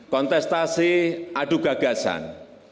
kontestasi adu gagasan